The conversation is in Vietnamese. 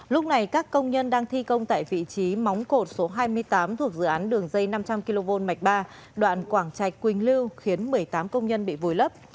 lúc này các công nhân đang thi công tại vị trí móng cột số hai mươi tám thuộc dự án đường dây năm trăm linh kv mạch ba đoạn quảng trạch quỳnh lưu khiến một mươi tám công nhân bị vùi lấp